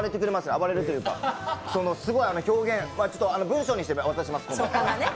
暴れるっていうかすごい表現ちょっと文章にして渡します。